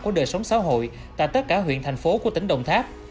của đời sống xã hội tại tất cả huyện thành phố của tỉnh đồng tháp